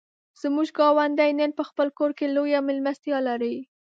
زموږ ګاونډی نن په خپل کور کې لویه مېلمستیا لري.